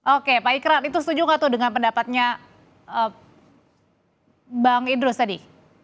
oke pak ikrar itu setuju nggak tuh dengan pendapatnya bang idrus tadi